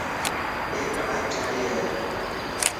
ائي ڪڙائي ٺاهي هي.